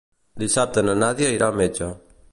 Dissabte na Nàdia irà al metge.